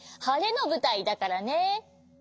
はれのぶたいだからね。